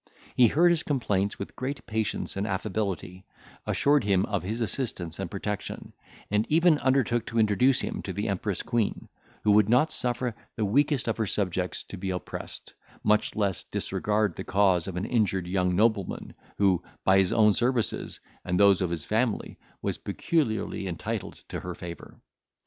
He heard his complaints with great patience and affability, assured him of his assistance and protection, and even undertook to introduce him to the empress queen, who would not suffer the weakest of her subjects to be oppressed, much less disregard the cause of an injured young nobleman, who, by his own services, and those of his family, was peculiarly entitled to her favour.